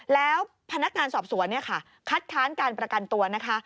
แล้วพนักงานสอบสวนเนี่ยค่ะคัดค้านการประกันตัวนะคะ